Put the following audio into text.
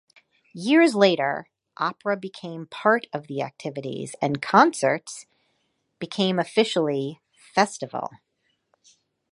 Years later, opera became part of the activities, and "Concerts" became officially "Festival.